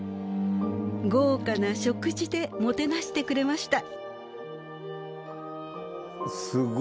豪華な食事でもてなしてくれました。